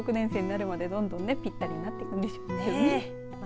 ６年生になるまでにぴったりになっていくんでしょうね。